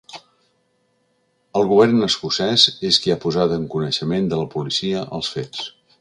El govern escocès és qui ha posat en coneixement de la policia els fets.